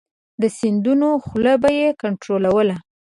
د سیندونو خوله به یې کنترولوله.